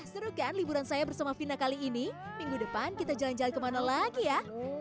seru kan liburan saya bersama vina kali ini minggu depan kita jalan jalan kemana lagi ya